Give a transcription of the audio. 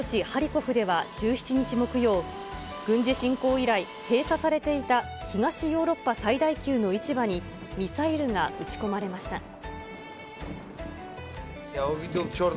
ハリコフでは、１７日木曜、軍事侵攻以来、閉鎖されていた東ヨーロッパ最大級の市場に、ミサイルが撃ち込まれました。